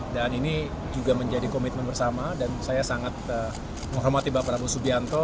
dan ini juga menjadi komitmen bersama dan saya sangat menghormati bapak prabowo subianto